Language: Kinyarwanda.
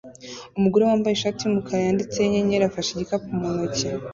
Umugore wambaye ishati yumukara yanditseho inyenyeri afashe igikapu mu ntoki